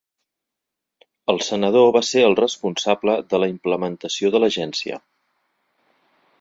El senador va ser el responsable de la implementació de l'agència.